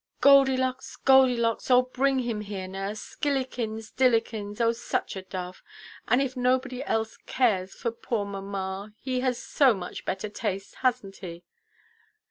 "Goldylocks, Goldylocks! Oh, bring him here, nurse. Skillikins, dillikins! oh, such a dove! And if nobody else cares for poor mamma, he has got so much better taste, hasnʼt he?"